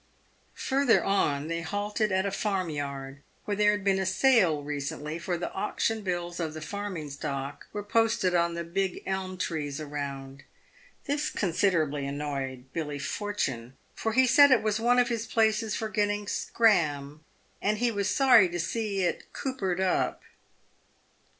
Further on they halted at a farm yard where there had been a sale recently, for the auction bills of the farming stock were posted on 254 PAVED WITH GOLD. the big elm trees around. This considerably annoyed Billy Fortune, for he said it was one of his places for getting " scran," and he was sorry to see it " coopered up."